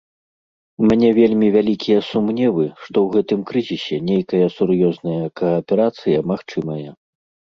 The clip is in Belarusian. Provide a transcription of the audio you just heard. У мяне вельмі вялікія сумневы, што ў гэтым крызісе нейкая сур'ёзная кааперацыя магчымая.